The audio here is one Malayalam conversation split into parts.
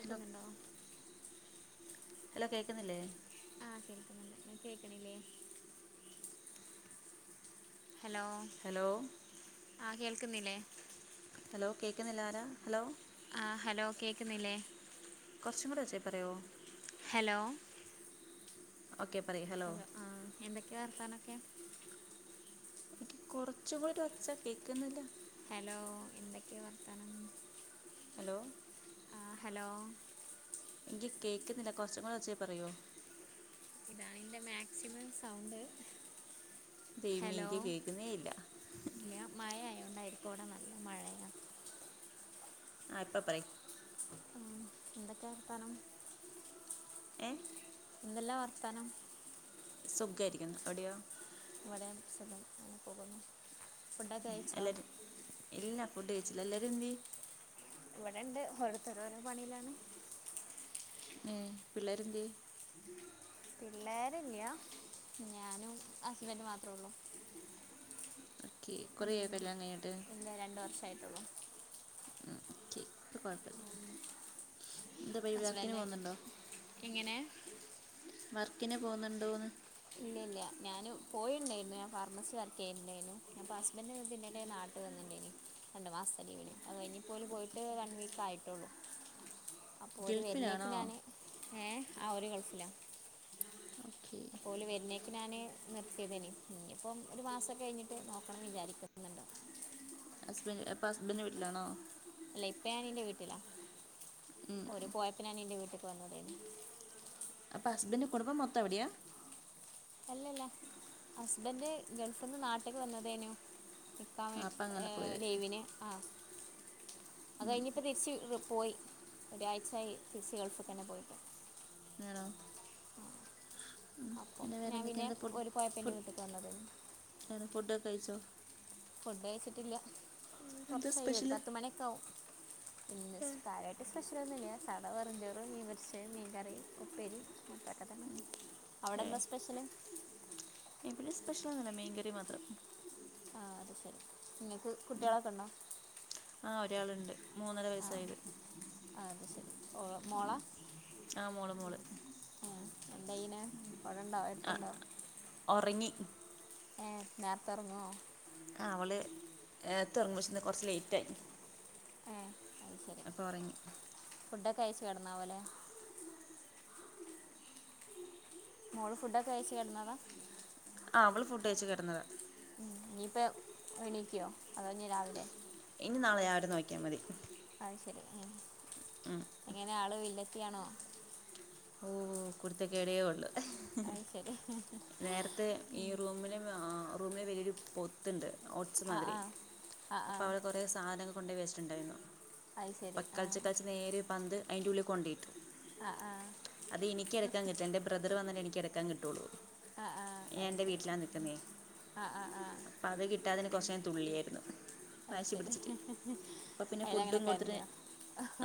ഹലോ ഹലോ കേൾക്കുന്നില്ലേ ആഹ് കേൾക്കുന്നുണ്ട് കേൾക്കണില്ലേ ഹലോ ഹലോ ആഹ് കേൾക്കുന്നില്ലേ ഹലോ കേൾക്കുന്നില്ല ആരാ ഹലോ ആഹ് ഹലോ കേൾക്കുന്നില്ലേ കുറച്ചും കൂടെ ഒച്ചയിൽ പറയുവോ ഹലോ ഓക്കെ പറയ [unintelligible] ഹലോ ആഹ് എന്തൊക്കെയ വർത്താനൊക്കെ കുറച്ച് കൂടി ഒച്ച കേൾക്കുന്നില്ല ഹലോ എന്തൊക്കെയാ വർത്താനം ഹലോ ആഹ് ഹലോ എനിക്ക് കേൾക്കുന്നില്ല കുറച്ചും കൂടെ ഒച്ചയിൽ പറയോ ഇതാണെന്റെ മാക്സിമം സൗണ്ട് ദൈവമേ ഹലോ എനിക്ക് കേൾക്കുന്നേ ഇല്ല ഇല്ല മഴ ആയത് കൊണ്ടായിരിക്കും ഇവിടെ നല്ല മഴയാ ആഹ് ഇപ്പൊ പറയ് ഉം എന്തൊക്കെയ വർത്താനം ഏഹ് എന്തല്ലാ വർത്താനം സുഖായിരിക്കുന്നു അവിടെയോ ഇവിടെ സുഖം അങ്ങനെ പോകുന്നു ഫുഡൊക്കെ ആയി എല്ലരും ഇല്ലാ ഫുഡ് കഴിച്ചില്ല എല്ലാരും എന്തേ? ഇവിടെണ്ട് ഓരോരുത്തർ ഓരോ പണിയിലാണ് ഏഹ് പിള്ളേരെന്ത്യെ പിള്ളേരില്ല്യ ഞാനും ഹസ്ബൻഡും മാത്രേള്ളൂ ഓക്കെ കൊറേ ആയൊ ഉം. കല്യാണം കഴിഞ്ഞിട്ട് ഇല്ല രണ്ട് വർഷമായിട്ടുള്ളൂ ഒക്കെ കൊഴപ്പില്ല എന്താ പരു വർക്കിന് ഹസ്ബൻഡ് പോന്നുണ്ടോ എങ്ങനെ വർക്കിന് പോന്നുണ്ടോന്ന്? ഇല്ല ഇല്ല ഞാൻ പോയിണ്ടേയിരുന്നു ഞാൻ ഫാർമസി വർക്ക് ചെയ്യുന്നുണ്ടേനു അപ്പോ ഹസ്ബൻഡ് ഇതിന്റെ എടേൽ നാട്ടിൽ വന്ന്ണ്ടേയിന് രണ്ട് മാസത്തെ ലീവിന് അത് കഴിഞ്ഞ് ഇപ്പൊ ഓല് പോയിട്ട് വൺ വീക്ക് ആയിട്ടുള്ളു അപ്പോൾ ഒരു വരുന്നേക്ക് ഗൾഫിലാണോ ഞാന് ഏഹ് ആഹ് ഓര് ഗൾഫിലാ ഓക്കെ അപ്പോല് വരുന്നേക്ക് ഞാന് നിർത്തിയതേന് ഇനി ഇപ്പം ഒരു മാസംക്കെ കഴിഞ്ഞിട്ട് നോക്കണം വിചാരിക്കുന്നു ഹസ്ബൻഡ് അപ്പോൾ ഹസ്ബൻഡി ന്റെ വീട്ടിലാണോ ഇല്ല ഇപ്പ ഞാനിന്റെ വീട്ടിലാ ഉം ഓര് പോയപ്പോ ഞാൻ എൻ്റെ വീട്ട്ക്ക് വന്നതായിന്ന് അപ്പ ഹസ്ബൻഡ് കുടുംബം മൊത്തം അവിട്യാ അല്ലല്ല ഹസ്ബൻഡ് ഗൾഫിന്ന് നാട്ടിക്ക് വന്നതേനു നിക്കാൻ ആ വേണ്ടി അപ്പം അങ്ങനെ ഏഹ് പോയത് ലീവിന് ആഹ് അത് കഴിഞ്ഞിപ്പോ തിരിച്ച് പോയി ഒരാഴ്ചയായി തിരിച്ച് ഗൾഫിൽ തന്നെ പോയിട്ട് ആണോ? പിന്നെ വേറെ എന്തൊക്കെ എന്താ [inaudible] എങ്ങനെ ഫുഡൊക്കെ കഴിച്ചോ? ഫുഡ് കഴിച്ചിട്ടില്ല ഉം എന്താ കൊറച്ചഴിയും ഒര് സ്പെഷ്യൽ പത്തുമണിയൊക്കെ ആവും ഇന്ന് സ്കായ സ്പെഷ്യൽ ഒന്നുല്ല്യ സാദാ വെറും ചോറ് മീൻ പൊരിച്ചത് മീൻകറി ഉപ്പേരി മത്രക്കെത്തന്നെ അവടെ എന്താ സ്പെഷ്യല്? വല്ല്യ സ്പെഷ്യലൊന്നുല്ല മീൻ കറി മാത്രം ആഹ് അത് ശരി ഇങ്ങക്ക് കുട്ടിളൊക്കെ ഇണ്ടോ? ആഹ് ഒരാളുണ്ട് മൂന്നര വയസ്സായത് ആഹ് അത് ശരി മോളോ മോളാ? ആഹ് മോള് മോള് ഉം എന്തായ്യണ് അവിടെണ്ടോ അടുത്തുണ്ടോ? ഒറങ്ങി ഉം നേർത്തെ ഒറങ്ങോ? ആഹ് അവള് എഹ് നേർത്തെ ഒറങ്ങും പക്ഷെ ഇന്ന് കൊറച്ച് ലേറ്റായി ആഹ് അയ്ശരി എപ്പോ ഒറങ്ങി ഫുഡൊക്കെ കയിച്ച് കെടന്നാവുംലെ? മോള് ഫുഡൊക്കെ കഴിച്ച് കെടന്നതാ ആഹ് അവള് ഫുഡ്ഴിച്ച് കെടന്നതാ ഉം ഞ്ഞിപ്പ എണീക്കോ അതോ ഞ്ഞി രാവിലെ ഇഞി നാളെ രാവിലെ നോക്ക്യാ മതി അത് ശരി ഉം ഉം എങ്ങനെ ആള് വില്ലത്തി ആണോ? ഓഹ് കുരുത്തകേടെ ഉള്ളൂ അത് ശരി നേരത്തെ ഈ റൂമിന് ആഹ് റൂമേ വലിയൊരു പൊത്ത്ണ്ട് ഒച്ച് ആ മാതിരി ആ ആ ആ അപ്പ അവടെ കൊറ ട്ട് സാധനങ്ങള് കൊണ്ടേ വച്ചിട്ടുണ്ടായിരുന്ന അത് ശരി അപ്പ ആ കളിച്ച് കളിച്ച് നേരെ ഈ പന്ത് അയിൻ്റെ ഉള്ളീ കൊണ്ടേ ഇട്ട് ആ ആ അത് എനിക്ക് എടുക്കാൻ കിട്ടണ്ടെ ബ്രദറ് വന്നിട്ടെ എനിക്ക് എടുക്കാൻ കിട്ടൊള്ളൂ ആ ആ ഞാൻ അത് എൻ്റെ ശരി വീട്ടിലാ നിക്കുന്നേ ആ ആ ആ അത് കിട്ടാതെന് കൊറച്ച് നേരം തുള്ളിയേര്ന്ന അത് വാശി ശരി പിടിച്ചിട്ട് അപ്പ പിന്നെ അതിലങ്ങനെ ഫുഡും കൊടുത്തിട്ട് കരഞ്ഞോ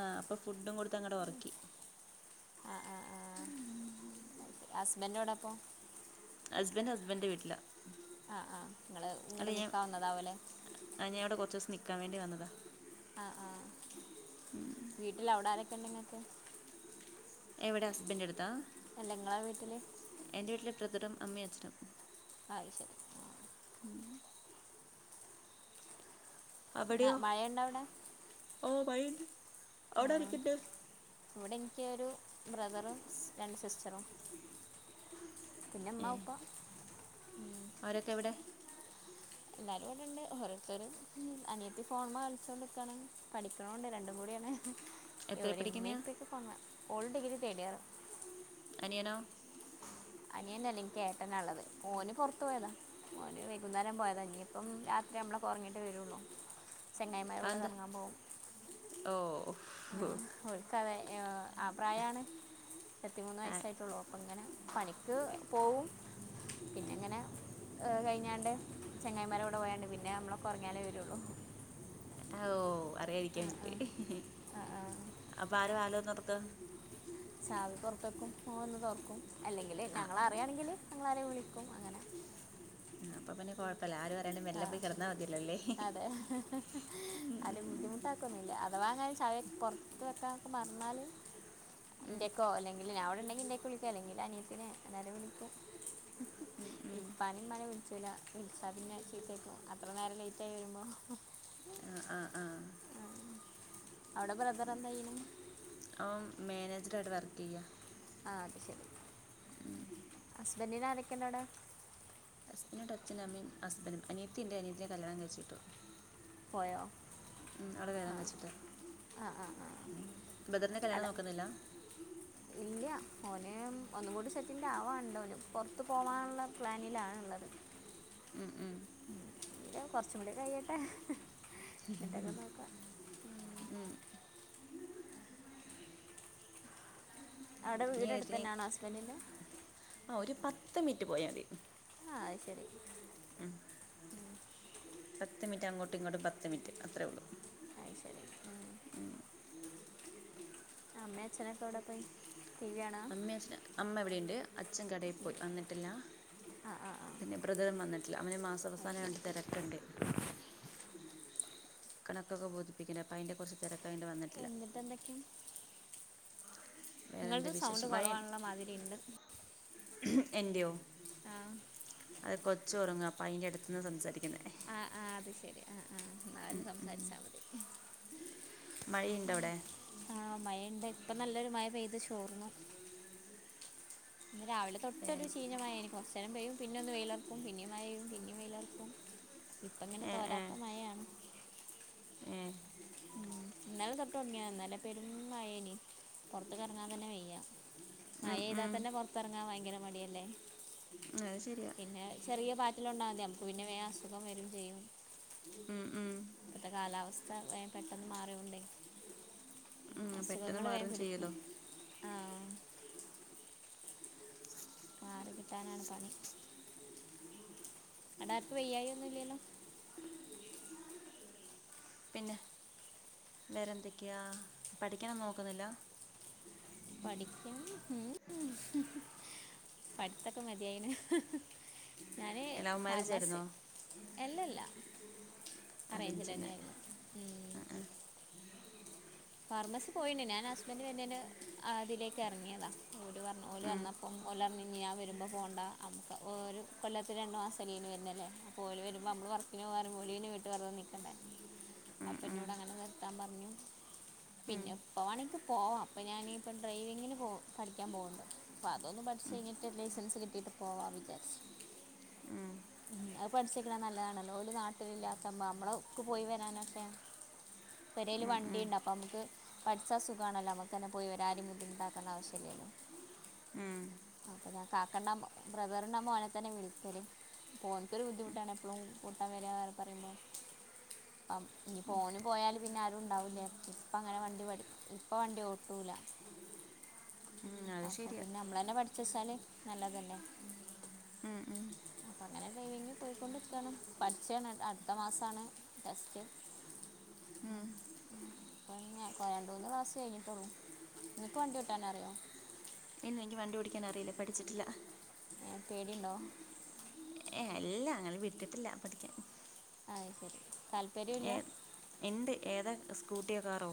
ആഹ് അപ്പ ഫുഡും കൊടുത്ത് അങ്ങട് ഒറക്കി ആഹ് ആഹ് ആഹ് ഹസ്ബൻഡ് എവടെ അപ്പൊ ഹസ്ബൻഡ് ഹസ്ബൻഡിന്റെ വീട്ടിലാ ആഹ് ആഹ് ഇങ്ങള് ഇങ്ങട് നിക്കാൻ വന്നതാവുംലേ ആഹ് ഞാൻ ഇവടെ കൊറച്ചൂസം നിക്കാൻ വേണ്ടി വന്നതാ ആഹ് ആഹ് വീട്ടില് അവിടാരൊക്കെ ഇണ്ട് ഇങ്ങക്ക് എവടെ ഹസ്ബൻഡ് അടുത്താ അല്ല ഇങ്ങളെ വീട്ടില് എൻ്റെ വീട്ടില് ബ്രദറും അമ്മയും അച്ഛനും ആഹ് അത് ശരി ഉം ആ അവടെയോ മഴയുണ്ടോ അവിടെ ഓഹ് മഴ ഇണ്ട് ആ അവ്ടാരെക്കെണ്ട്? ഇവിടെ ഇൻക്കൊരു ബ്രദറും രണ്ട്സിസ്റ്ററും. പിന്നെ ഉമ്മ, ഉപ്പ ഉം അവരൊക്കെവിടെ? എല്ലാരുംഇവിടെണ്ട് ഓരോര്ത്തരും അനിയത്തിഫോൺമ്മെ കളിച്ചോണ്ട്ക്കാണ് പഠിക്ക്ണുംണ്ട് രണ്ടുംകൂടിയാണ് എത്ര ഇവര് ഇമ്മീ പഠിക്കുന്നയാ ഇപ്പീ ഒക്കെ ഫോൺമ്മെ ഓള് ഡഗ്രിതേടിയറ് അനിയനോ? അനിയനല്ല ഇൻക്ക് ഏട്ടനാള്ളത് ഓന് പൊർത്ത് പോയതാ ഓന് വൈകുന്നേരം പോയതാ ഇഞ്ഞിപ്പം രാത്രി ഞ്ഞമ്മ ളൊക്കെ ഒറങ്ങീട്ടേ വരൊള്ളു ചെങ്ങായിമാരെകൂടെ കർങ്ങാൻപോവും ഓഹ് ഉഫും ഓൽക്കതെ ഏ ആ പ്രായാണ് ഇരുപത്തിമൂന്ന് ആ വയസ്സായിട്ടൊള്ളൂ ഇപ്പ ഇങ്ങനെ പണിക്ക് പോവും പിന്നെങ്ങനെ ഹ് കഴിഞ്ഞാണ്ട് ചെങ്ങായിമാരെകൂടെ പോയാണ്ട്പിന്നെ ഞ്ഞമ്മളൊക്കെ ഒറ്ങ്ങിയാലേവരൊള്ളു ഓ അറിയാരിക്കാ ആ, ആ. ഇനിക്ക് ഹി ഹി ഹി ആ, ആ. അപ്പൊ ആരാ വാതിലൊറന്ന് കൊടുക്ക. ചാവി പൊർത്തെക്കും ഓൻവന്ന് തൊർക്കും അല്ലെങ്കില് ആ ഞങ്ങളറിയാണെങ്കില് ഞങ്ങളാരെം വിളിക്കും അങ്ങനെ അപ്പ പിന്നെ കൊഴപ്പല്ല ആരുംഅറിയാണ്ട് മെല്ലെപോയി കെടന്നാമതിയല്ലോ അല്ലേ ഹെ ഹെ ഹെ ഹെ ആരേം ബുദ്ധിമുട്ടാക്കൊന്നുംല്ല അതവാ അങ്ങനെ ചാവി പൊറ്ത്ത് വെക്കാനൊക്കെ മറന്നാല് ഇന്റേക്കോ അല്ലെങ്കില് ഞാൻ ഇവിടെണ്ടെങ്കി ഇന്റെയീക്ക് വിളിക്കും എല്ലെങ്കില് അനിയത്തിനെ എല്ലാരേം വിളിക്കും ഇപ്പാനിം ഇമ്മാനിം വിൾചൂലാ വിൾച്ചാപിന്നെ ചീത്തേക്കും അത്ര നേരംലേയ്റ്റായി വരുമ്പോ ആ ആ ആ ഉം അവ്ടെബ്രദറന്താ ചെയ്യുന്നേ ഓൻ മാനേജറായിട്ട് വർക്കെയ്യാ ആ അത് ശരി ഹസ്ബന്റിനാരൊക്കെണ്ടവടെ? ന്റെ അച്ചനും അമ്മീം ഹസ്ബൻഡും അനിയിത്തിയുണ്ട് അനിയത്തിനെ കല്യാണം കഴിച്ചു വിട്ടു പോയോ? ഉം ആള് കല്യാണം കഴിച്ചിട്ട് ആഹ് ആഹ് ആഹ് ബ്രദർന് കല്യാണം നോക്ക്ന്നില്ല ഇല്ല്യാ ഓന് ഒന്നുംകൂടി സെറ്റിൽടാവാണ്ട്ഓന് പൊറ്ത്ത് പോവാനുള്ള പ്ലാനിലണ്‌ള്ളത് ഉം, ഉം. കൊർച്ച്കൂടെകഴിയട്ടെ ന്ന്ട്ടക്കെ നോക്കാം ഉം അവ്ടെ ഇനി വീട് ഏതിന് അടുത്തന്നാണോ ഹസ്ബന്റിന്റെ ഒരു പത്ത്മിനിറ്റ് പോയാതി ആ ആഹ് ശരി പത്ത്മിൻറ്റ് അങ്ങോട്ടും ഇങ്ങോട്ടും പത്ത്മിനിറ്റ് അത്രേള്ളൂ അയ്ശരി അമ്മേം അച്ഛനൊക്കെവ്ടെ [unintelligible] അമ്മേച്ചനോ അമ്മഇവ്ടെയ്ണ്ട് ഉം. അച്ഛൻകടേപോയിവന്നിട്ടില്ല ആ ആ ആ പിന്നെ ബ്രദറുംവന്നിട്ടില്ല അവന് അത് മാസവസാനായോണ്ട് ശരി തെരക്ക്ണ്ട് കണക്കൊക്കെബോധിപ്പിക്കെണ്ടെ അപ്പയിന്റെകൊറ്ച്ച് തെരക്കായോണ്ട് വന്നിട്ടില്ല എന്തക്കെ വേറെ ഇങ്ങൾത് എന്താ സൗണ്ട് കൊറവാൺള്ള മാതിരിണ്ട് എന്റെയോ ആ അഹ് കൊച്ചൊറങ്ങാ അപ്പയിന്റെ അട്ത്ത്ന്ന സംസാരിക്കുന്നേ ആഹ് ആഹ് അത്ശരി ആഹ് ആഹ് ന്നാലുംസംസാരിച്ചാമതി മഴയ്ണ്ടൊവിടെ ആഹ് മഴണ്ട് ഇപ്പനല്ലൊരു മഴപെയ്തു ചോർന്നു ഇന്ന് ഏ രാവിലെതൊട്ടരു ചീഞ്ഞമയേനി കൊർച്ചെരംപെയ്യും പിന്നൊന്ന് വെയിലർക്കും പിന്നിംമയെയ്യും പിന്നിംവെയിലർക്കും ഇപ്പങ്ങനെ ഏ ഏ തോരാത്ത മയയാണ് ഏ ഉം ഇന്നലെതൊട്ട് തുടങ്ങിയതാ ഇന്നലെ പെരും മയേനി പുറത്ത്ക്ക്റങ്ങാ തെന്നെ വെയ്യ ഉം, മയെതാൽ ഉം. തന്നെ പുറത്തിറങ്ങാൻ ഭയങ്കര മടിയല്ലേ അത് ശരിയാ പിന്നെ ചെറിയ പാറ്റിലാണ്ടാ മതി നമുക്ക് പിന്നെ വേഗം അസുഖം വരും ചെയ്യും ഉം ഉം ഇപ്പോത്തെ കാലാവസ്ഥ വേഗം പെട്ടെന്ന് മാറിയോണ്ടെ ഉം പെട്ടെന്ന് അസുഖങ്ങള് വേം മാറും പിടിക്കും ചെയ്യല്ലോ ആഹ് മാറി കിട്ടാനാണ് പണി അവിടാർക്കും വെയ്യായൊന്നുംല്ലല്ലോ പിന്നെ വേറെന്തൊക്കെയാ പഠിക്കാനൊന്നും നോക്കുന്നില്ല പഠിക്കാൻ ഉം പഠിത്തൊക്കെ മതിയായിണ് ഞാന് ലവ് മാരേജ് ഫാർമസി ആയിരുന്നോ എല്ലല്ലാ അറേയ്ഞ്ചിടന്നെ അറേഞ്ച്ഡ് ആയിരുന്നു ഫാർമസി പോയിണ്ട് ഞാൻ ഹസ്ബൻഡ് വര്ണേന് അതിലേക്ക് ഇറങ്ങിയതാണ് ഓര് പറഞ്ഞ പോല ഉം വന്ന അപ്പം ഓലറഞ്ഞീന് ഞാൻ വരുമ്പോൾ പോകണ്ട നമുക്ക് ഒരു കൊല്ലത്ത് രണ്ട് മാസത്തെ ലീവിന് വരുന്നല്ലേ അപ്പം ഓല് വരുമ്പോൾ നമ്മള് വർക്കിന് പോവാന്ന് പറയുമ്പോ ഓല് പിന്നെ വീട്ട് വെറുതെ നിക്കണ്ടേ അപ്പ എന്നോട് അങ്ങനെ നിർത്താൻ പറഞ്ഞു ഉം പിന്നെ എപ്പവാണെങ്കി പോവാം അപ്പൊ ഞാനിപ്പ ഡ്രൈവിങ്ങിന് പോ പഠിക്കാൻ പോവണ്ട് അപ്പതൊന്ന് പഠിച്ചെയ്ഞ്ഞിട്ട് ലൈസൻസ് കിട്ടിട്ട് പോവാ വിചാരിച്ചു അത് പഠിച്ചെക്കണെ നല്ലതാണല്ലോ ഓല് നാട്ടിലല്ലാത്ത നമ്മളക്ക് പോയി വരാനൊക്കെ പേരേല് വണ്ടീണ്ടാ അപ്പമ്ക്ക് പഠ്ച്ചാ സുഖാണല്ലോ അമ്മക്കെന്നെ പോയി ഒരാളിം ബുദ്ധിമുട്ടാക്കണ്ട ആവശ്യല്ലല്ലോ അപ്പ ഞാൻ കാക്കണ്ട ബ്രദറ്ന്റെ മോനെ തെന്നെ വിളിക്കെല് പ്പോൻക്കൊര് ബുദ്ധിമുട്ടാണ് എപ്പളും കൂട്ടാൻ വരാ പറീമ്പം അപ് ഇഞ്ഞിപ്പോന് പോയാല് പിന്നെ ആരുംണ്ടാവൂല ഇപ്പ അങ്ങെനെ വണ്ടി പഠി ഇപ്പ വണ്ടി ഓട്ടൂല ഉം അത് ശെര്യാ മ്മളെന്നെ പഠിച്ചെച്ചാല് നല്ലതെല്ലെ ഉം ഉം അപ്പൊ അങ്ങെനെ ഡ്രൈവിംഗ് പോയ്ക്കൊണ്ട്ക്കാണ് പഠ്ച്ചാണ് അട്ത്ത മാസാണ് ടെസ്റ്റ് പിന്നെ പ്പ രണ്ട് മൂന്ന് ക്ലാസ് കയ്ഞ്ഞ്ട്ടാെള്ളൂ ഇങ്ങെക്ക് വണ്ടി ഓട്ടാനറ്യോ ഇല്ല ൻക്ക് വണ്ടി ഓടിക്കാനറിയില്ലാ പഠിച്ചിട്ടില്ല ഏഹ് പേടിണ്ടോ? ഏഹ് ഇല്ലാ ഞങ്ങെളെ വിട്ടിട്ടില്ലാ പഠിക്കാൻ അത് ശെരി താല്പര്യും ഇല്ലാ ഇണ്ട് ഏതാ സ്കൂട്ട്യോ കാറോ?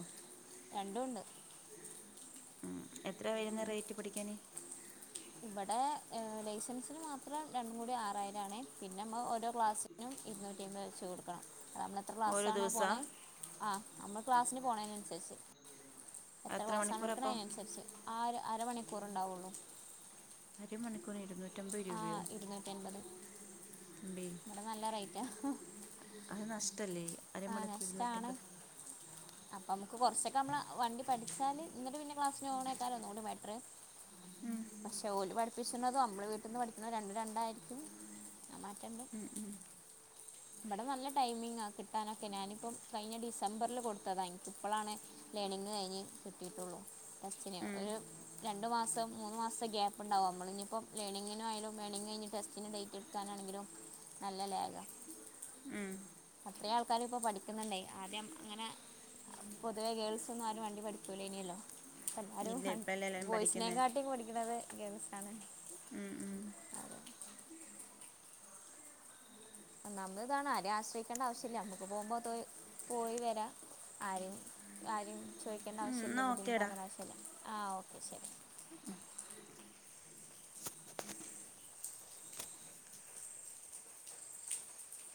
രണ്ടൂണ്ട് എത്രെയാ വെര്ന്നെ റെയ്റ്റ് പഠിക്കാന് ഇവടെ ലൈസൻസ്ന് മാത്രം രണ്ടും കൂടി ആറായിരാണ് പിന്നെമ്മ ഓരോ ക്ലാസ് നും ഇര്ന്നൂറ്റി അയ്മ്പെ വെച്ച് കൊട്ക്കണം നമ്മള് ത്രെ ഓരോ ക്ലാസ്സാണോ പോണെ ദിവസമാണ് ആഹ് അമ്മൾ ക്ലാസ്സ്ന് പോണേനൻസര്ച്ച് എത്ര ക്ലാസാണോ ഇട്ക്ക്ണെ അയ്നൻസര്ച്ച് ആഹ് ഒര് അരമണിക്കൂറ്ണ്ടാവാെള്ളൂ അര മണിക്കൂറിന് ഇര്ന്നൂറ്റമ്പത് ആ രൂപയോ മ്പേ വ്ടെ നല്ല റെയ്റ്റാ അത് നഷ്ട്ടല്ലേ അരമണിക്കൂർ ഇര്ന്നൂറ്റമ്പെത് അപ്പൊ അമ്മക്ക് കൊർച്ചൊക്ക അമ്മള് വണ്ടി പഠിച്ചാല് ന്നിട്ട് പിന്നെ ക്ലാസ്സിന് പോണേക്കാരം ഒന്നും കൂടി ബെറ്റ്റ് പക്ഷെ ഓല് പഠിപ്പിച്ച്ണതും അമ്മള് വീട്ടിന്ന് പഠിക്ക്ണതും രണ്ടും രണ്ടായ്രിക്കും ആ മാറ്റണ്ട് വടെ നല്ല ടൈമിങ്ങാ കിട്ടാനൊക്കെ ഞാനിപ്പം കഴിഞ്ഞ ഡിസംബർൽ കൊട്ത്തതാ ൻക്ക് ഇപ്പളാണ് ലേണിങ്ങ് കയ്ഞ്ഞ് കിട്ടീട്ടൊള്ളൂ തച്ചിന് ഉം ഒരു രണ്ട് മാസം മൂന്നു മാസം ഗ്യാപ്പ്ണ്ടാവും അമ്മള്ഞ്ഞിപ്പം ലേണിങ്ങിനു ആയാലും ലേണിങ്ങ് കയ്ഞ്ഞ് ടെസ്റ്റിന് ഡെയ്റ്റ് ക്കാനാണെങ്കിലും നല്ല ലേഖാ ഉം അത്രേം ആൾക്കാര് ഇപ്പം പഠിക്ക്ന്ന്ണ്ടേ ആദ്യം അങ്ങെനെ പൊതുവേ ഗേൾസാെന്നും ആരും വണ്ടി പഠിക്കൂലേന്യല്ലോ പ്പെല്ലാരും ഇല്ല അഹ് ഇപ്പോഴല്ലേ എല്ലാവരും പഠിക്കുന്നത് ബോയ്സിനേക്കാട്ടിം പഠിക്ക്ണെത് ഗേൾസ് ഒന്നാമത്‌താണ് ആരേം ആശ്രയ്ക്കേണ്ട ആവശ്യല്ല്യാ മ്ക്ക് പോകുമ്പോ ത് പോയി വെരാ ആരേയും ആരിം ചോയ്ക്കേണ്ട ആവശ്യല്ല്യ എന്നാൽ ഓക്കേടാ ബുദ്ധിമുട്ടാക്കണ്ട ആവശ്യല്ല്യാ ആഹ് ഓക്കെ ശെരി